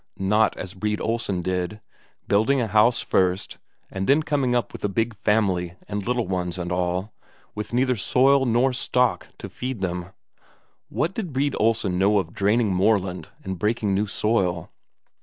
Not as Brede Olsen did, building a house first, and then coming up with a big family and little ones and all, with neither soil nor stock to feed them. What did Brede Olsen know of draining moorland and breaking new soil?